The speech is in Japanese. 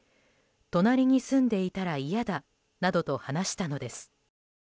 隣に住んでいたら嫌だなどと話したのです。